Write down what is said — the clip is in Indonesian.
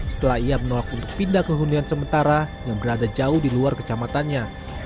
setelah ia menolak untuk pindah ke hunian sementara yang berada jauh di luar kecamatannya